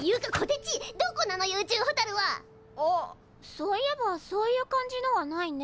そういえばそういう感じのはないね。